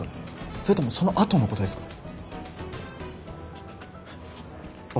それともそのあとのことですかね？